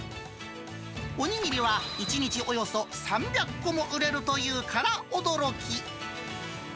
お握りは１日およそ３００個も売れるというから驚き。